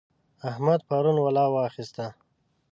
احمد پرون ولا واخيسته.